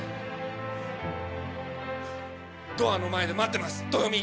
ドアの前で待ってます豊美。